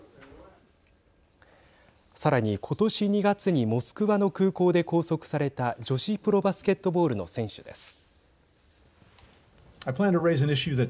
さらに、ことし２月にモスクワの空港で拘束された女子プロバスケットボールの選手です。